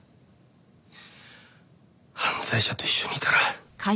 犯罪者と一緒にいたら。